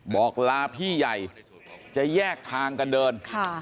บอกลาพี่ใหญ่จะแยกทางกันเดิน